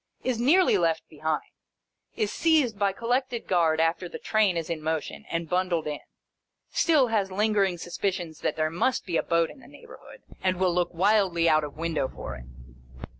Is nearly left behind. Is seized by Collected Guard after the Train is in motion, and bundled in. Still, has lingering suspicions that there must be a boat in the neighbourhood, and will look wildly out of window for it.